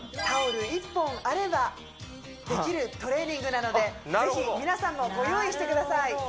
タオル１本あればできるトレーニングなのでぜひ皆さんもご用意してください